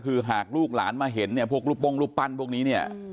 คือหากลูกหลานมาเห็นเนี่ยพวกรูปโป้งรูปปั้นพวกนี้เนี่ย